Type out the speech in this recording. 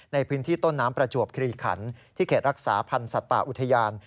ในพื้นที่ต้นน้ำประจวบคลีขันที่เขตรักษาพันธ์สัตว์ป่าอุทยาน